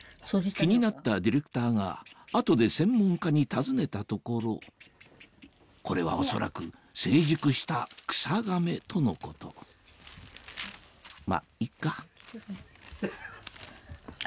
気になったディレクターが後で専門家に尋ねたところ「これは恐らく成熟したクサガメ」とのことまぁいっかあ！